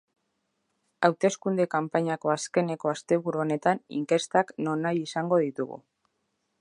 Hauteskunde-kanpainako azkeneko asteburu honetan inkestak nonahi izango ditugu.